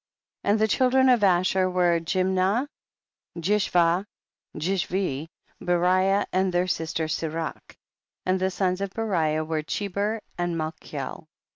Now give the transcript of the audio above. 16. And the children of Asher xoere Jimnah, Jishvah, Jishvi, Beriah and their sister Serach ; and the sons of Beriah loere Cheber and Malchiel, 1 7.